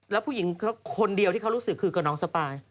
แล้วผู้หญิงคนเดียวที่เขารู้สึกคือกับน้องสปาย